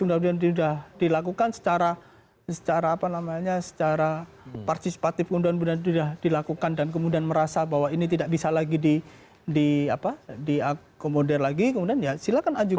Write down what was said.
jadi kondisi undang undang sudah dilakukan secara apa namanya secara partisipatif undang undang sudah dilakukan dan kemudian merasa bahwa ini tidak bisa lagi diakomodir lagi kemudian ya silahkan ajukan